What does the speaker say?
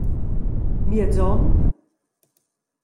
Miez onn?